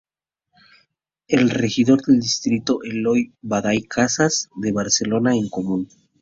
El regidor del distrito es Eloi Badia Casas, de Barcelona en Comú.